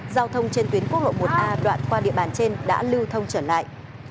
giao thông trên tuyến quốc lộ một a đoạn qua địa bàn trên đã lưu thông trở lại